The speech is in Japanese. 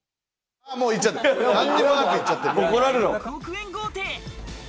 ６億円豪邸！